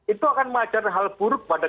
itu akan mengajar hal buruk pada